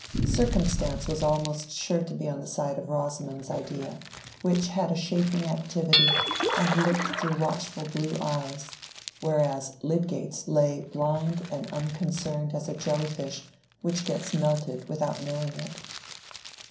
Circumstance was almost sure to be on the side of Rosamond's idea, which had a shaping activity and looked through watchful blue eyes, whereas Lydgate's lay blind and unconcerned as a jelly fish which gets melted without knowing it.